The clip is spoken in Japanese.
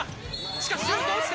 しかし、シュート落ちた。